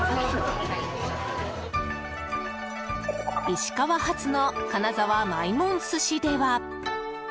石川発の金沢まいもん寿司では。